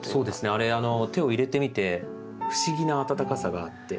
あれ手を入れてみて不思議な温かさがあって。